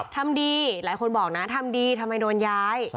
ทำดีหลายคนบอกนะทำดีทำไมโดนย้าย